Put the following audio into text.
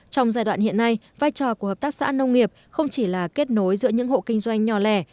trong giai đoạn hiện nay vai trò của hợp tác xã nông nghiệp không chỉ là kết nối giữa những hộ kinh doanh nhỏ lẻ